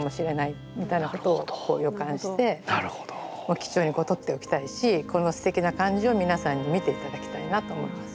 貴重に取っておきたいしこのすてきな感じを皆さんに見て頂きたいなと思います。